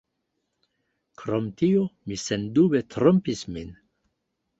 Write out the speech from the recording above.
Krom tio, mi sendube trompis min.